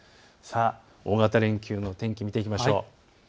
大型連休の天気を見ていきましょう。